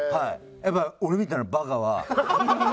やっぱ俺みたいなバカは。